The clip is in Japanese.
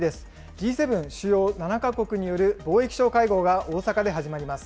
Ｇ７・主要７か国による貿易相会合が大阪で始まります。